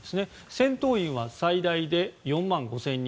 戦闘員は最大で４万５０００人。